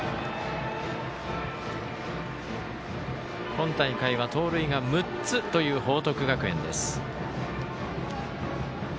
今大会は盗塁が６つという報徳学園です。